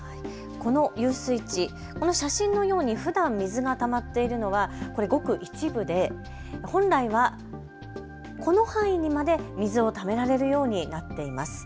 この遊水地、この写真のようにふだん水がたまっているのはごく一部で本来はこの範囲にまで水をためられるようになっています。